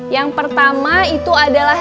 yang pertama itu adalah